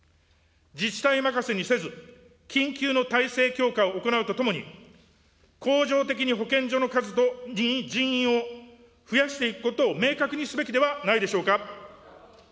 自治体任せにせず、緊急の体制強化を行うとともに、恒常的に保健所の数と人員を増やしていくことを明確にすべきではないでしょうか。